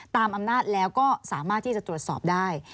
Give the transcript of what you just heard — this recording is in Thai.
ตามอำนาจแล้วก็สามารถที่จะตรวจสอบได้